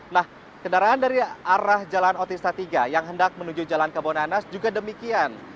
nah kendaraan dari arah jalan otis satika yang hendak menuju jalan kebunanas juga demikian